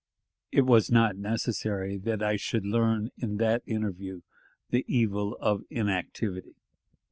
It was not necessary that I should learn in that interview the evil of inactivity.